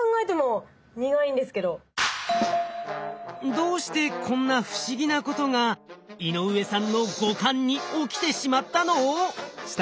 どうしてこんな不思議なことが井上さんの五感に起きてしまったの？